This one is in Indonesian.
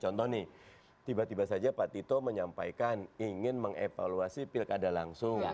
contoh nih tiba tiba saja pak tito menyampaikan ingin mengevaluasi pilkada langsung